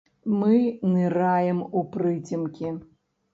Мы ныраем у прыцемкі.